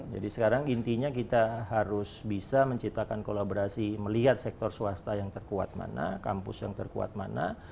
jadi sekarang intinya kita harus bisa menciptakan kolaborasi melihat sektor swasta yang terkuat mana kampus yang terkuat mana